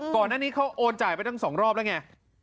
ก่อนนั้นนี้เขาโอนตัวไปตั้งสองรอบแล้วไง